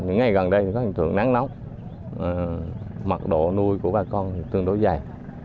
ngày gần đây có hình tượng nắng nóng mặt độ nuôi của ba con tương đối dày